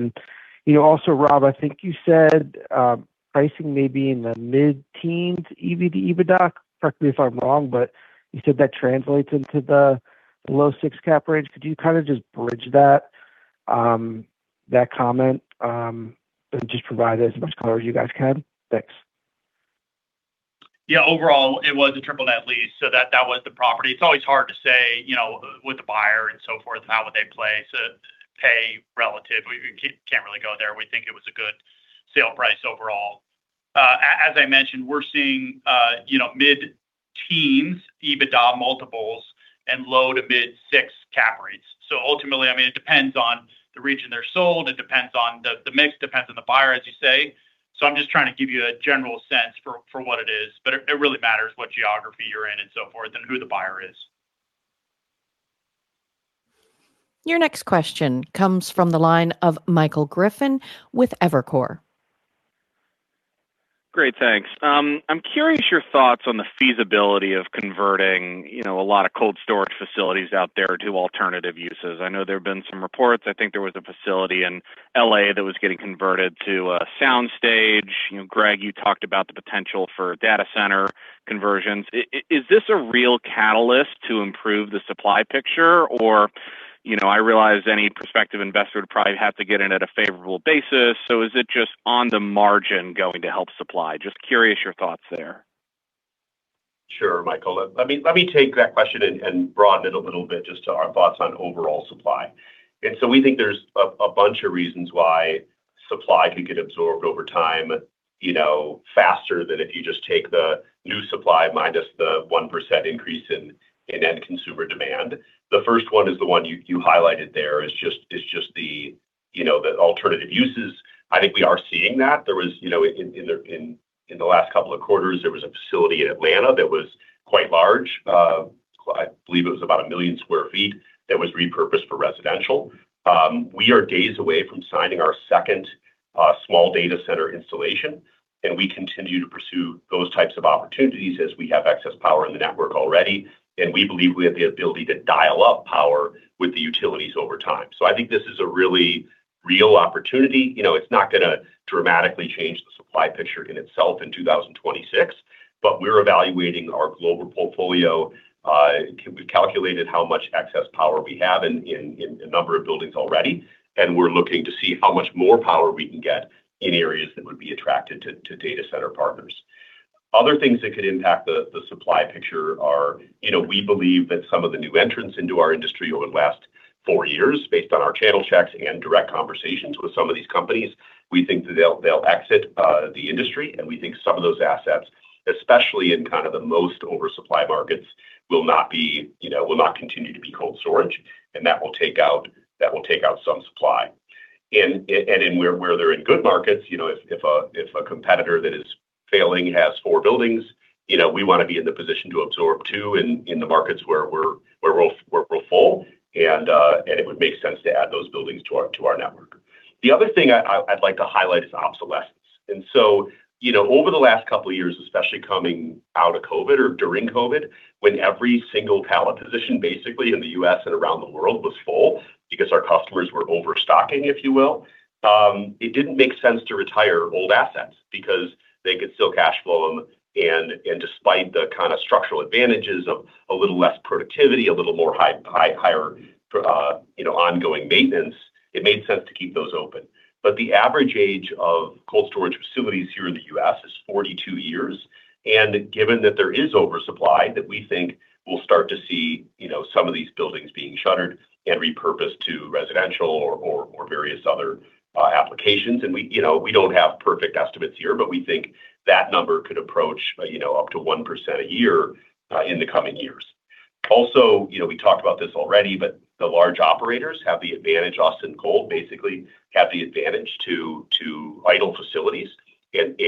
You know, also, Robb, I think you said pricing may be in the mid-teens EV to EBITDA. Correct me if I'm wrong, but you said that translates into the low 6 cap rate. Could you kind of just bridge that comment, and just provide as much color as you guys can? Thanks. Overall, it was a triple net lease, so that was the property. It's always hard to say, you know, with the buyer and so forth, how would they pay relative. We can't really go there. We think it was a good sale price overall. As I mentioned, we're seeing, you know, mid-teens EBITDA multiples and low to mid 6% cap rates. Ultimately, I mean, it depends on the region they're sold, it depends on the mix, depends on the buyer, as you say. I'm just trying to give you a general sense for what it is, but it really matters what geography you're in and so forth and who the buyer is. Your next question comes from the line of Michael Griffin with Evercore. Great, thanks. I'm curious your thoughts on the feasibility of converting, you know, a lot of cold storage facilities out there to alternative uses. I know there have been some reports. I think there was a facility in L.A. that was getting converted to a soundstage. You know, Greg, you talked about the potential for data center conversions. Is this a real catalyst to improve the supply picture? You know, I realize any prospective investor would probably have to get in at a favorable basis, so is it just on the margin going to help supply? Just curious your thoughts there? Sure, Michael. Let me take that question and broaden it a little bit just to our thoughts on overall supply. We think there's a bunch of reasons why supply could get absorbed over time, you know, faster than if you just take the new supply minus the 1% increase in end consumer demand. The first one is the one you highlighted there, is just the, you know, the alternative uses. I think we are seeing that. There was, you know, in the last couple of quarters, there was a facility in Atlanta that was quite large, I believe it was about 1 million sq ft, that was repurposed for residential. We are days away from signing our second. small data center installation, and we continue to pursue those types of opportunities as we have excess power in the network already. We believe we have the ability to dial up power with the utilities over time. I think this is a really real opportunity. You know, it's not going to dramatically change the supply picture in itself in 2026, but we're evaluating our global portfolio. We've calculated how much excess power we have in a number of buildings already, and we're looking to see how much more power we can get in areas that would be attracted to data center partners. Other things that could impact the supply picture are, you know, we believe that some of the new entrants into our industry over the last four years, based on our channel checks and direct conversations with some of these companies, we think that they'll exit the industry. We think some of those assets, especially in kind of the most oversupply markets, will not be, you know, will not continue to be cold storage, and that will take out some supply. Where they're in good markets, you know, if a competitor that is failing has four buildings, you know, we want to be in the position to absorb two in the markets where we're full and it would make sense to add those buildings to our network. The other thing I'd like to highlight is obsolescence. You know, over the last couple of years, especially coming out of COVID or during COVID, when every single pallet position, basically in the U.S. and around the world, was full because our customers were overstocking, if you will, it didn't make sense to retire old assets because they could still cash flow them. Despite the kind of structural advantages of a little less productivity, a little more higher, you know, ongoing maintenance, it made sense to keep those open. The average age of cold storage facilities here in the U.S. is 42 years, and given that there is oversupply, that we think we'll start to see, you know, some of these buildings being shuttered and repurposed to residential or various other applications. We, you know, we don't have perfect estimates here, but we think that number could approach, you know, up to 1% a year in the coming years. You know, we talked about this already, but the large operators have the advantage. Americold basically have the advantage to idle facilities and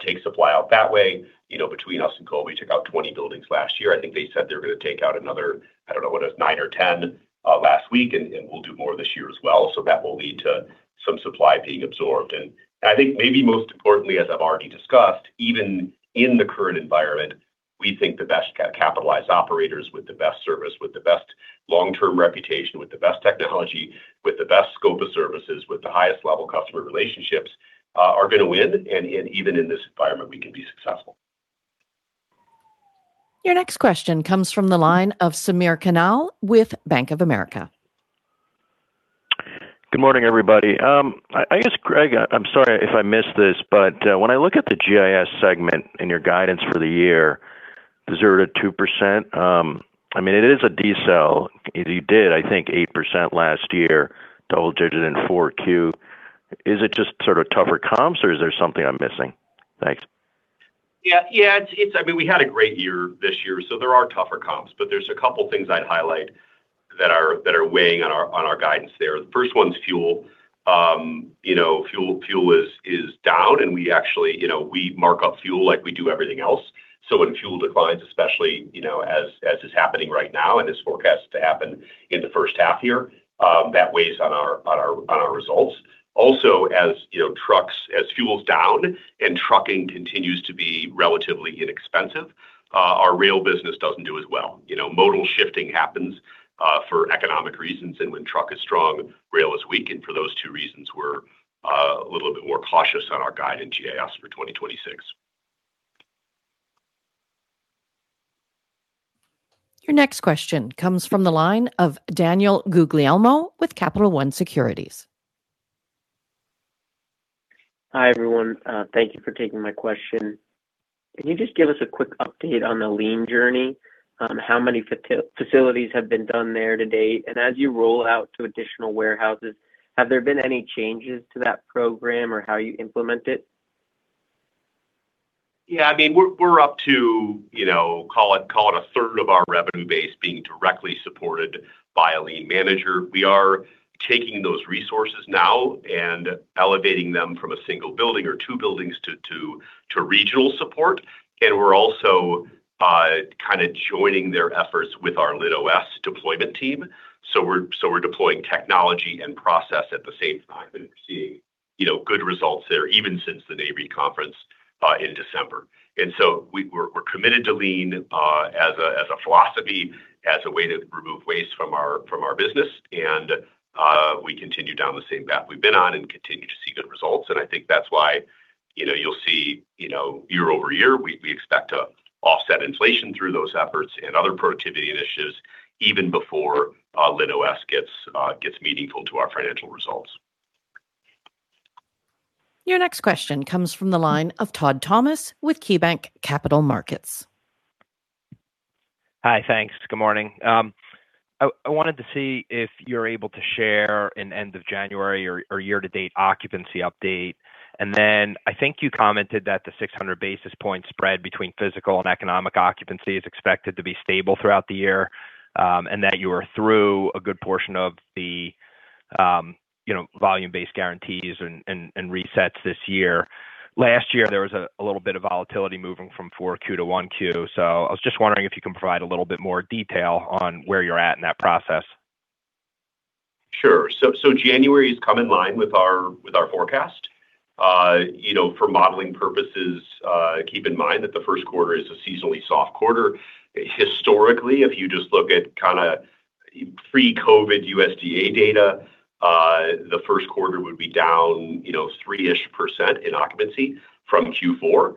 take supply out that way. You know, between us and Americold, we took out 20 buildings last year. I think they said they're going to take out another, I don't know, what it was, 9 or 10 last week, and we'll do more this year as well. That will lead to some supply being absorbed. I think maybe most importantly, as I've already discussed, even in the current environment, we think the best capitalized operators with the best service, with the best long-term reputation, with the best technology, with the best scope of services, with the highest level customer relationships, are going to win, and even in this environment, we can be successful. Your next question comes from the line of Sameer Kanal with Bank of America. Good morning, everybody. I guess, Greg, I'm sorry if I missed this, when I look at the GIS segment and your guidance for the year, 0%-2%, I mean, it is a decel. You did, I think, 8% last year, double digit in 4Q. Is it just sort of tougher comps, or is there something I'm missing? Thanks. Yeah, it's, I mean, we had a great year this year, so there are tougher comps, but there's a couple things I'd highlight that are weighing on our guidance there. The first one's fuel. You know, fuel is down, and we actually, you know, we mark up fuel like we do everything else. When fuel declines, especially, you know, as is happening right now and is forecast to happen in the first half year, that weighs on our results. As, you know, trucks, as fuel's down and trucking continues to be relatively inexpensive, our rail business doesn't do as well. You know, modal shifting happens for economic reasons, and when truck is strong, rail is weak. For those two reasons, we're a little bit more cautious on our guide in GIS for 2026. Your next question comes from the line of Daniel Guglielmo with Capital One Securities. Hi, everyone. Thank you for taking my question. Can you just give us a quick update on the Lean journey? On how many facilities have been done there to date, and as you roll out to additional warehouses, have there been any changes to that program or how you implement it? Yeah, I mean, we're up to, you know, call it a third of our revenue base being directly supported by a Lean manager. We are taking those resources now and elevating them from a single building or two buildings to regional support. We're also kind of joining their efforts with our LinOS deployment team. We're deploying technology and process at the same time and seeing, you know, good results there, even since the Nareit conference in December. We're committed to Lean as a philosophy, as a way to remove waste from our business, and we continue down the same path we've been on and continue to see good results. I think that's why, you know, you'll see, you know, year-over-year, we expect to offset inflation through those efforts and other productivity initiatives even before LinOS gets meaningful to our financial results. Your next question comes from the line of Todd Thomas with KeyBanc Capital Markets. Hi, thanks. Good morning. I wanted to see if you're able to share an end of January or year-to-date occupancy update. Then I think you commented that the 600 basis points spread between physical and economic occupancy is expected to be stable throughout the year, and that you are through a good portion of the, you know, volume-based guarantees and resets this year. Last year, there was a little bit of volatility moving from 4Q to 1Q. I was just wondering if you can provide a little bit more detail on where you're at in that process? Sure. January is come in line with our forecast. you know, for modeling purposes, keep in mind that the first quarter is a seasonally soft quarter. Historically, if you just look at kinda pre-COVID USDA data, the first quarter would be down, you know, 3-ish% in occupancy from Q4.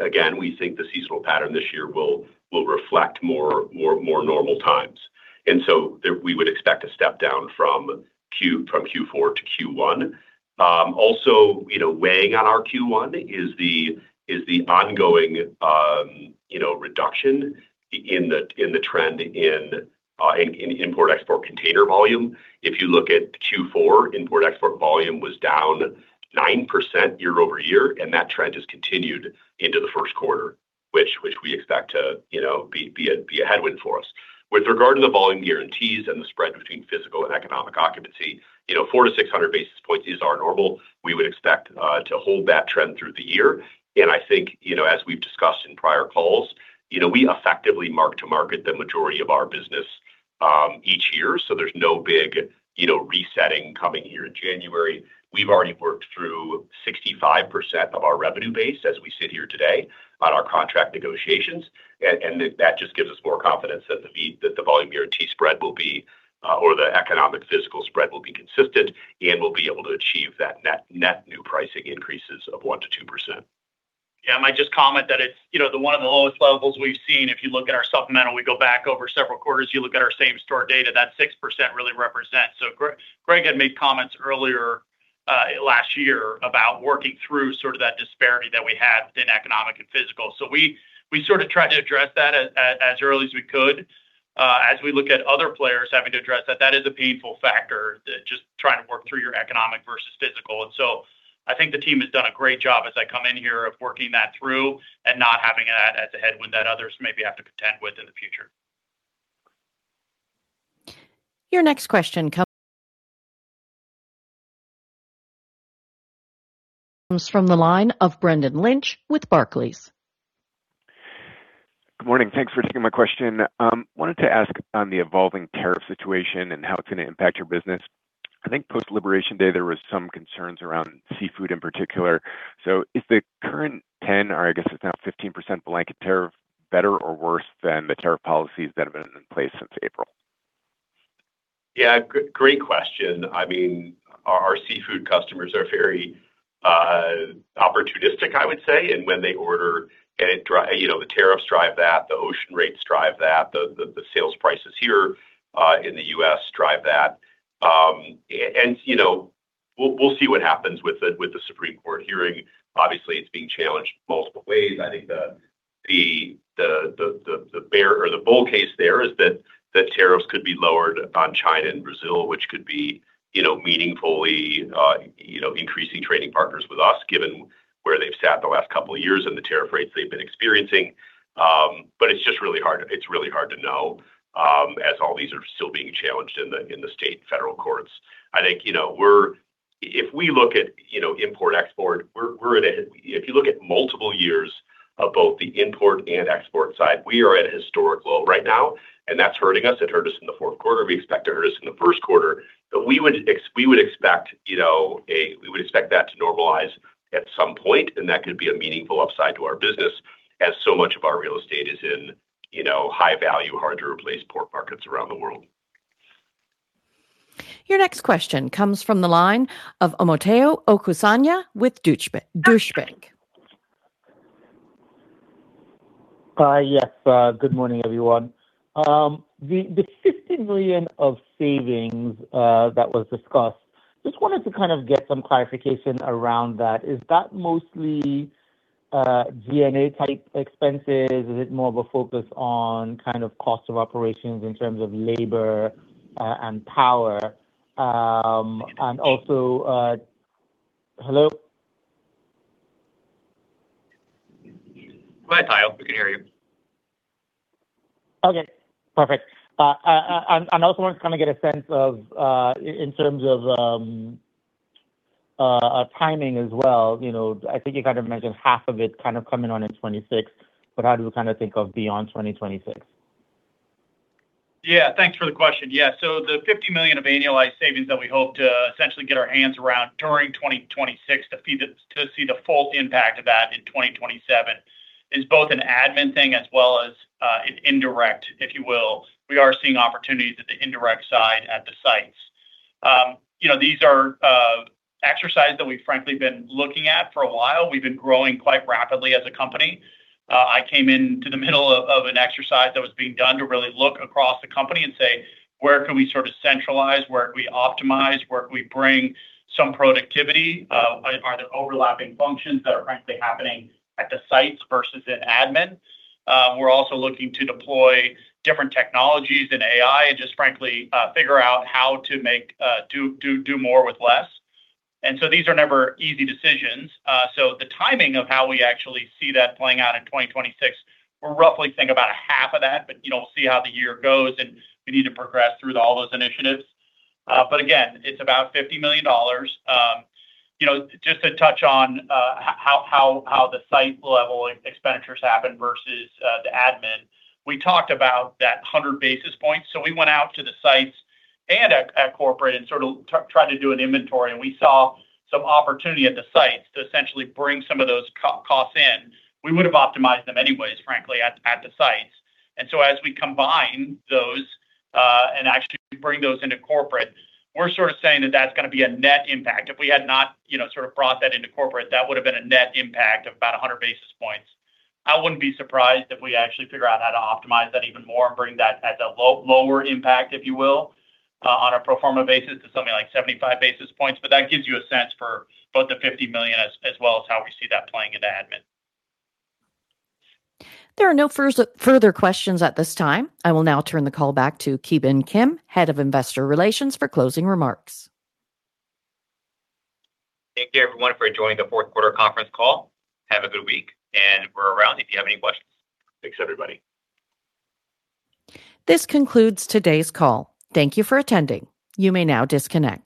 Again, we think the seasonal pattern this year will reflect more normal times. There, we would expect a step down from Q4 to Q1. Also, you know, weighing on our Q1 is the ongoing, you know, reduction in the trend in import/export container volume. If you look at Q4, import/export volume was down 9% year-over-year, and that trend has continued into the first quarter, which we expect to, you know, be a headwind for us. With regard to the volume guarantees and the spread between physical and economic occupancy, you know, 400-600 basis points, these are normal. We would expect to hold that trend through the year. I think, you know, as we've discussed in prior calls, you know, we effectively mark to market the majority of our business each year. There's no big, you know, resetting coming here in January. We've already worked through 65% of our revenue base as we sit here today on our contract negotiations. That just gives us more confidence that the volume guarantee spread will be or the economic physical spread will be consistent, and we'll be able to achieve that net new pricing increases of 1%-2%. Yeah, I might just comment that it's, you know, the one of the lowest levels we've seen. If you look at our supplemental, we go back over several quarters. You look at our same store data, that 6% really represents. Greg had made comments earlier last year about working through sort of that disparity that we had within economic and physical. We sort of tried to address that as early as we could. As we look at other players having to address that is a painful factor, that just trying to work through your economic versus physical. I think the team has done a great job as I come in here, of working that through and not having that as a headwind that others maybe have to contend with in the future. Your next question comes from the line of Brendan Lynch with Barclays. Good morning. Thanks for taking my question. Wanted to ask on the evolving tariff situation and how it's going to impact your business. I think post-Liberation Day, there was some concerns around seafood in particular. Is the current 10%, or I guess it's now 15% blanket tariff, better or worse than the tariff policies that have been in place since April? Yeah, great question. I mean, our seafood customers are very opportunistic, I would say. When they order and it you know, the tariffs drive that, the ocean rates drive that, the sales prices here in the US drive that. You know, we'll see what happens with the Supreme Court hearing. Obviously, it's being challenged multiple ways. I think the bear or the bull case there is that tariffs could be lowered on China and Brazil, which could be, you know, meaningfully, you know, increasing trading partners with us, given where they've sat in the last couple of years and the tariff rates they've been experiencing. It's just really hard... It's really hard to know, as all these are still being challenged in the state and federal courts. I think, you know, if we look at, you know, import/export, if you look at multiple years of both the import and export side, we are at a historic low right now. That's hurting us. It hurt us in the fourth quarter. We expect to hurt us in the first quarter. We would expect, you know, we would expect that to normalize at some point. That could be a meaningful upside to our business, as so much of our real estate is in, you know, high value, hard to replace port markets around the world. Your next question comes from the line of Omotayo Okusanya with Deutsche Bank. Yes, good morning, everyone. The $50 million of savings that was discussed, just wanted to kind of get some clarification around that. Is that mostly SG&A type expenses? Is it more of a focus on kind of cost of operations in terms of labor and power? Hello? Go ahead, Omotayo. We can hear you. Okay, perfect. I also want to kind of get a sense of, in terms of, timing as well. You know, I think you kind of mentioned half of it kind of coming on in 2026, but how do you kind of think of beyond 2026? Thanks for the question. The $50 million of annualized savings that we hope to essentially get our hands around during 2026, to see the full impact of that in 2027, is both an admin thing as well as an indirect, if you will. We are seeing opportunities at the indirect side, at the sites. You know, these are exercises that we've frankly been looking at for a while. We've been growing quite rapidly as a company. I came into the middle of an exercise that was being done to really look across the company and say: Where can we sort of centralize? Where can we optimize? Where can we bring some productivity? Are there overlapping functions that are frankly happening at the sites versus in admin? We're also looking to deploy different technologies in AI and just frankly, figure out how to make do more with less. These are never easy decisions. The timing of how we actually see that playing out in 2026, we're roughly think about half of that, but, you know, we'll see how the year goes, and we need to progress through all those initiatives. Again, it's about $50 million. You know, just to touch on how the site level expenditures happen versus the admin. We talked about that 100 basis points, so we went out to the sites and at corporate and sort of tried to do an inventory, and we saw some opportunity at the sites to essentially bring some of those costs in. We would have optimized them anyways, frankly, at the sites. As we combine those, and actually bring those into corporate, we're sort of saying that that's going to be a net impact. If we had not, you know, sort of brought that into corporate, that would have been a net impact of about 100 basis points. I wouldn't be surprised if we actually figure out how to optimize that even more and bring that at a lower impact, if you will, on a pro forma basis, to something like 75 basis points, but that gives you a sense for both the $50 million as well as how we see that playing into admin. There are no further questions at this time. I will now turn the call back to Ki Bin Kim, Head of Investor Relations, for closing remarks. Thank you, everyone, for joining the fourth quarter conference call. Have a good week, and we're around if you have any questions. Thanks, everybody. This concludes today's call. Thank you for attending. You may now disconnect.